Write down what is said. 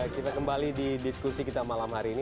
kita kembali di diskusi kita malam hari ini